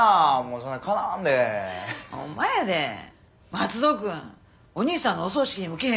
松戸君お兄さんのお葬式にも来え